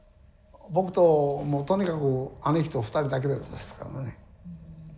僕ともうとにかく兄貴と２人だけだったですからね。